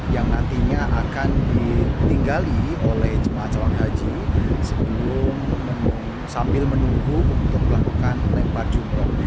yang nantinya akan ditinggali oleh jemaah calon haji sebelum sambil menunggu untuk melakukan lempar jumroh